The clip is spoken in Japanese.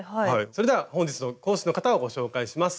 それでは本日の講師の方をご紹介します。